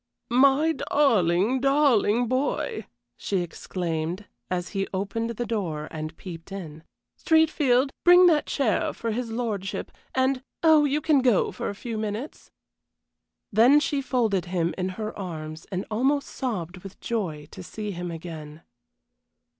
"My darling, darling boy!" she exclaimed, as he opened the door and peeped in. "Streatfield, bring that chair for his lordship, and oh, you can go for a few minutes." Then she folded him in her arms, and almost sobbed with joy to see him again.